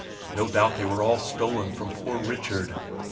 No doubt they were all stolen from Poor Richard.